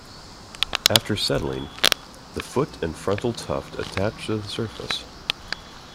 After settling, the foot and frontal tuft attach to the surface.